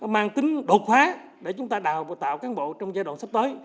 mang tính đột phá để chúng ta đào tạo cán bộ trong giai đoạn sắp tới